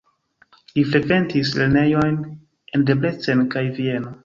Li frekventis lernejojn en Debrecen kaj Vieno.